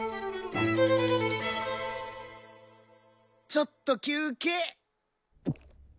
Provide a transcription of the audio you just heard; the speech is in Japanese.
ちょっと休憩！